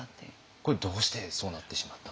これどうしてそうなってしまったんですか？